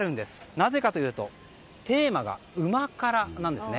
なぜかというとテーマが旨辛なんですね。